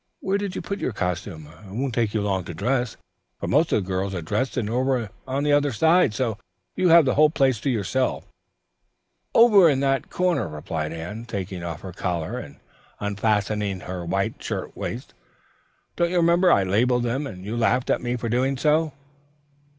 Where did you put your costumes? It won't take you long to dress, for most of the girls are dressed and over on the other side, so you have the place to yourself." "Over in that corner," replied Anne, taking off her collar and unfastening her white shirt waist. "Don't you remember, I labeled them and you laughed at me for doing so?"